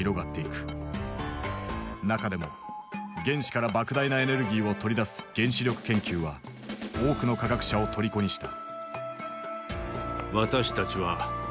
中でも原子からばく大なエネルギーを取り出す原子力研究は多くの科学者をとりこにした。